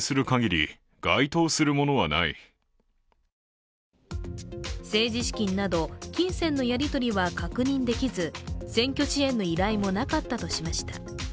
一方で政治資金など金銭のやり取りは確認できず、選挙支援の依頼もなかったとしました。